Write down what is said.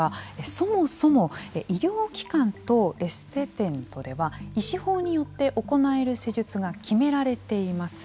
そもそも医療機関とエステ店とでは医師法によって行える施術が決められています。